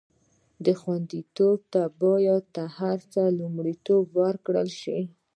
خوندیتوب ته باید تر هر څه لومړیتوب ورکړل شي.